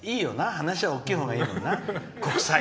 話は大きいほうがいいもんな。